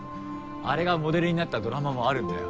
あれがモデルになったドラマもあるんだよ。